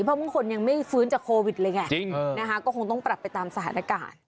เพราะบางคนยังไม่ฟื้นจากโควิดเลยไงก็คงต้องปรับไปตามสถานการณ์